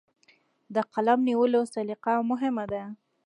د قلم نیولو سلیقه مهمه ده.